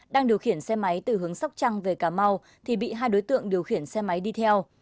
đang điều khiển xe máy từ hướng sóc trăng về cà mau thì bị hai đối tượng điều khiển xe máy đi theo